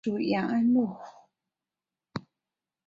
属延安路。